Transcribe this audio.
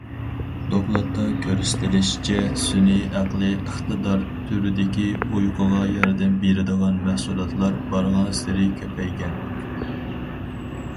دوكلاتتا كۆرسىتىلىشىچە، سۈنئىي ئەقلىي ئىقتىدار تۈرىدىكى ئۇيقۇغا ياردەم بېرىدىغان مەھسۇلاتلار بارغانسېرى كۆپەيگەن.